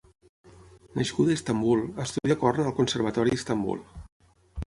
Nascuda a Istanbul, estudià corn al Conservatori d'Istanbul.